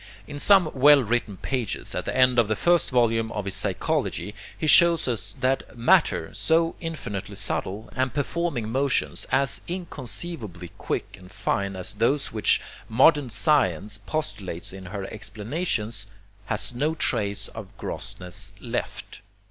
In some well written pages at the end of the first volume of his Psychology he shows us that a 'matter' so infinitely subtile, and performing motions as inconceivably quick and fine as those which modern science postulates in her explanations, has no trace of grossness left.